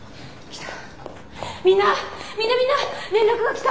来た。